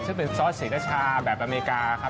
ซึ่งเป็นซอสศรีนชาแบบอเมริกาครับ